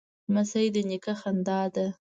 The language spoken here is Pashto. لمسی د نیکه خندا ده.